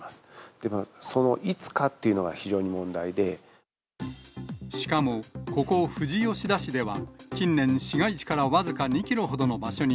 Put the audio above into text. でもそのいつかっていうのが非常しかもここ、富士吉田市では近年、市街地から僅か２キロほどの場所に、